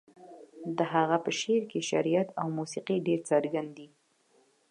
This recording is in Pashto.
د هغه په شعر کې شعريت او موسيقي ډېر څرګند دي.